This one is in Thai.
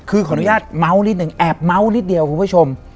คือขออนุญาตเมาส์นิดนึงแอบเมาส์นิดเดียวคุณผู้ชม